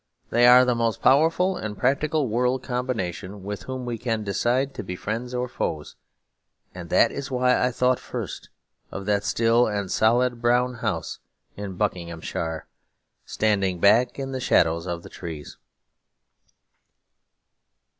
They are the most powerful and practical world combination with whom we can decide to be friends or foes; and that is why I thought first of that still and solid brown house in Buckinghamshire, standing back in the shadow of the trees.